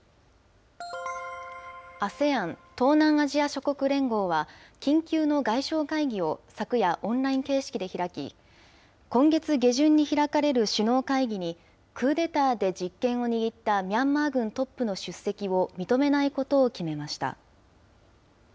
ＡＳＥＡＮ・東南アジア諸国連合は、緊急の外相会議を昨夜、オンライン形式で開き、今月下旬に開かれる首脳会議に、クーデターで実権を握ったミャンマー軍トップの出席を認めないことを決めました。